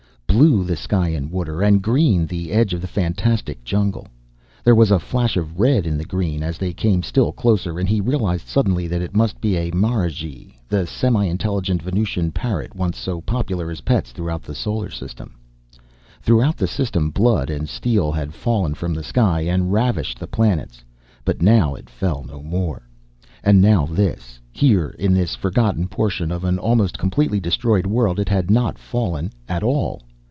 Blue the sky and water, and green the edge of the fantastic jungle. There was a flash of red in the green, as they came still closer, and he realized suddenly that it must be a marigee, the semi intelligent Venusian parrot once so popular as pets throughout the solar system. Throughout the system blood and steel had fallen from the sky and ravished the planets, but now it fell no more. And now this. Here in this forgotten portion of an almost completely destroyed world it had not fallen at all.